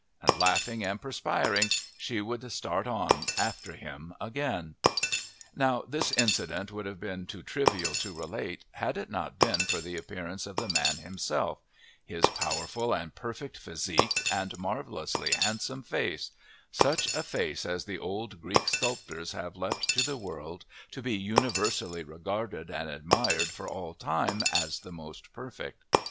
and laughing and perspiring she would start on after him again. Now this incident would have been too trivial to relate had it not been for the appearance of the man himself his powerful and perfect physique and marvellously handsome face such a face as the old Greek sculptors have left to the world to be universally regarded and admired for all time as the most perfect.